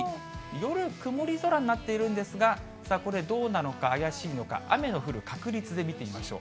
夜、曇り空になっているんですが、これ、どうなのか、怪しいのか、雨の降る確率見てみましょう。